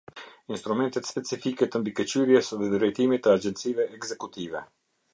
Instrumentet specifike të mbikëqyrjes dhe drejtimit të agjencive ekzekutive.